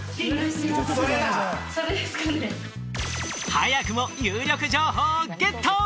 早くも有力情報をゲット！